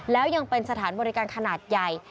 แล้วยังเป็นสถานบริการขนาดใหญ่